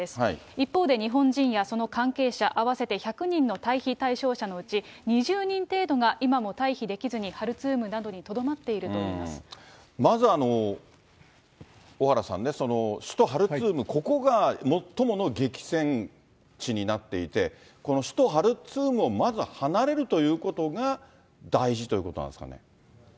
一方で日本人やその関係者合わせて１００人の退避対象者のうち２０人程度が今も退避できずに、ハルツームなどにとどまっているとまず、小原さんね、首都ハルツーム、ここが最も激戦地になっていて、この首都ハルツームを離れるということが大事ということなんですかね。